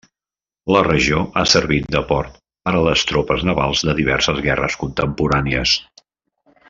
La regió ha servit de port per a les tropes navals de diverses guerres contemporànies.